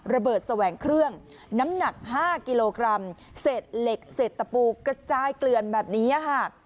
แสวงเครื่องน้ำหนัก๕กิโลกรัมเศษเหล็กเศษตะปูกระจายเกลือนแบบนี้ค่ะ